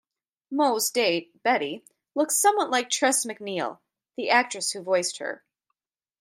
Moe's date, Betty, looks somewhat like Tress MacNeille, the actress who voiced her.